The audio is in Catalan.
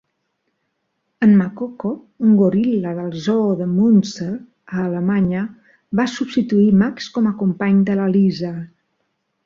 En Makoko, un goril·la del zoo de Munster, a Alemanya, va substituir Max com a company de la Lisa.